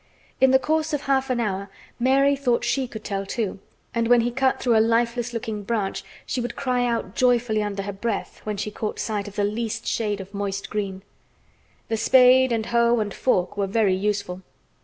In the course of half an hour Mary thought she could tell too, and when he cut through a lifeless looking branch she would cry out joyfully under her breath when she caught sight of the least shade of moist green. The spade, and hoe, and fork were very useful.